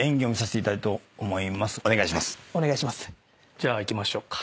じゃあいきましょうか。